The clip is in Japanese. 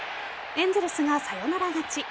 エンゼルスがサヨナラ勝ち。